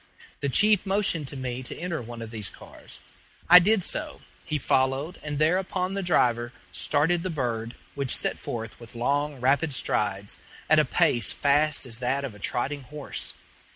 The chief motioned to me to enter one of these cars. I did so. He followed, and thereupon the driver started the bird, which set forth with long, rapid strides, at a pace fast as that of a trotting horse.